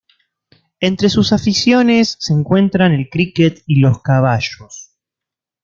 Entre sus aficiones se encuentran el cricket y los caballos.